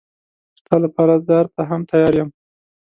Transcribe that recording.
ستا لپاره دار ته هم تیار یم.